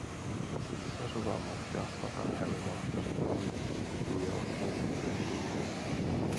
Císařova matka svatá Helena při ní měla svou rezidenci.